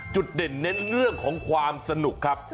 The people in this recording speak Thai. จุดเด่นเน้นเรื่องของความสนุกครับ